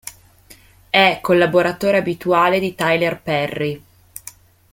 È collaboratore abituale di Tyler Perry.